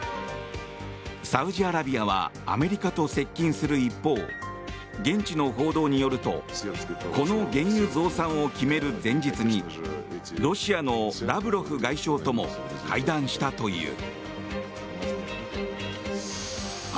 サウジアラビアはアメリカと接近する一方現地の報道によるとこの原油増産を決める前日にロシアのラブロフ外相とも会談したという。